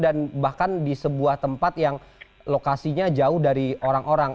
dan bahkan di sebuah tempat yang lokasinya jauh dari orang orang